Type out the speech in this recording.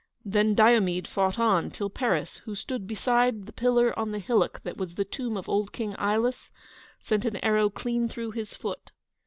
Then Diomede fought on till Paris, who stood beside the pillar on the hillock that was the tomb of old King Ilus, sent an arrow clean through his foot.